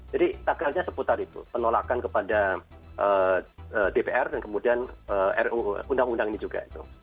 jadi tagarnya seputar itu penolakan kepada dpr dan kemudian ruu undang undang ini juga